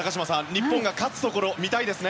日本が勝つところ見たいですね。